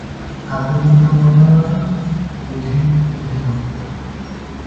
এটি খাদ্য মন্ত্রণালয়ের অধীন অধিদপ্তর।